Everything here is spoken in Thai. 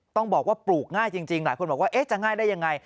ต้องบอกว่าปลูกง่ายจริงหลายคนบอกว่าจะง่ายได้ยังไง